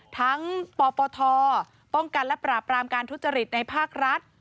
ปปทป้องกันและปราบรามการทุจริตในภาครัฐ